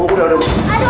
bu udah udah bu